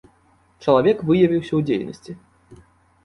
Чалавек выявіўся ў дзейнасці.